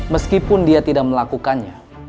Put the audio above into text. meskipun dia tidak melakukannya